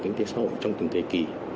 kinh tế xã hội trong từng thế kỷ